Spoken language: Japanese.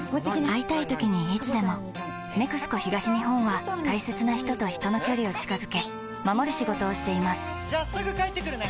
会いたいときにいつでも「ＮＥＸＣＯ東日本」は大切な人と人の距離を近づけ守る仕事をしていますじゃあすぐ帰ってくるね！